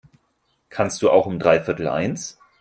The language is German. Kannst du auch um dreiviertel eins?